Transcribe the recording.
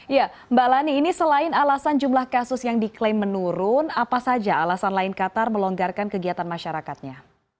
ya mbak lani ini selain alasan jumlah kasus yang diklaim menurun apa saja alasan lain qatar melonggarkan kegiatan masyarakatnya